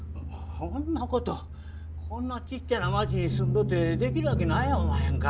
ほんな事こんなちっちゃな町に住んどってできる訳ないやおまへんか。